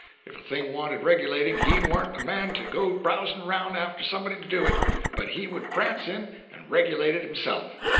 If a thing wanted regulating, he warn't a man to go browsing around after somebody to do it, but he would prance in and regulate it himself.